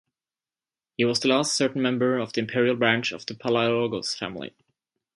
He was the last certain member of the imperial branch of the Palaiologos family.